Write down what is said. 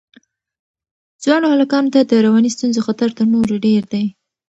ځوانو هلکانو ته د رواني ستونزو خطر تر نورو ډېر دی.